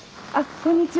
こんにちは。